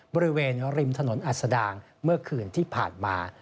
บริเวณริมถนนอัศดางเมื่อคืนที่ผ่านมา